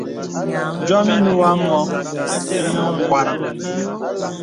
Yɔm inə̀ wǒ ǎ mǒ ìnə m̀bwarə̀ŋ.